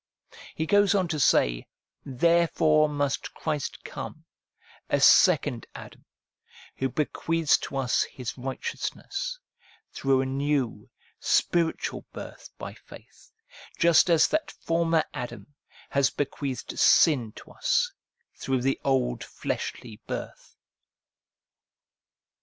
He goes on to say :' Therefore must Christ come, a second Adam, who bequeaths to us His righteousness, through a new, spiritual birth by faith, just as that former Adam has bequeathed sin to us, through the old fleshly birth.'